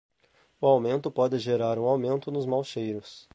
O aumento pode gerar um aumento nos maus cheiros.